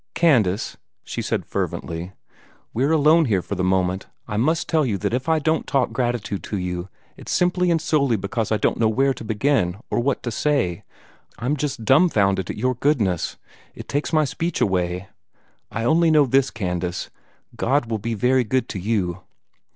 "Candace," she said fervently, "we're alone here for the moment; I must tell you that if I don't talk gratitude to you, it's simply and solely because I don't know where to begin, or what to say. I'm just dumfounded at your goodness. It takes my speech away. I only know this, Candace: God will be very good to you."